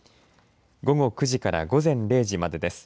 午後９時から午前０時までです。